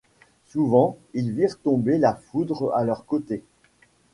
Souvent ils virent tomber la foudre à leurs côtés.